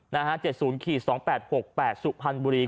นะฮะ๗๐๒๘๖๘สุพันธ์บุรี